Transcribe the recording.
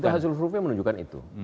itu hasil survei menunjukkan itu